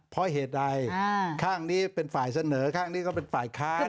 เพราะเหตุใดข้างนี้เป็นฝ่ายเสนอข้างนี้ก็เป็นฝ่ายค้าน